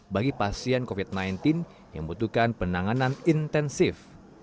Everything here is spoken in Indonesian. bagi pasien covid sembilan belas yang membutuhkan penanganan intensif